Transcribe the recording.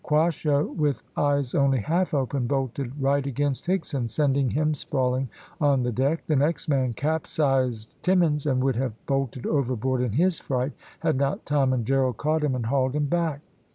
Quasho, with eyes only half open, bolted right against Higson, sending him sprawling on the deck; the next man capsized Timmins, and would have bolted overboard in his fright had not Tom and Gerald caught him and hauled him back.